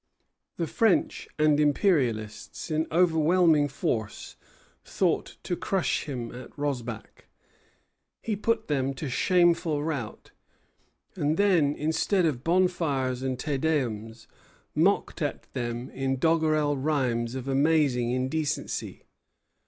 The French and Imperialists, in overwhelming force, thought to crush him at Rossbach. He put them to shameful rout; and then, instead of bonfires and Te Deums, mocked at them in doggerel rhymes of amazing indecency.